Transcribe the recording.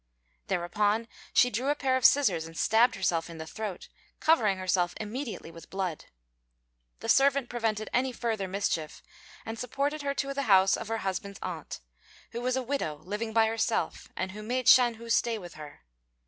Thereupon she drew a pair of scissors and stabbed herself in the throat, covering herself immediately with blood. The servant prevented any further mischief, and supported her to the house of her husband's aunt, who was a widow living by herself, and who made Shan hu stay with her.